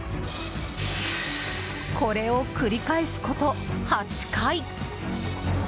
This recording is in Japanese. これを繰り返すこと、８回！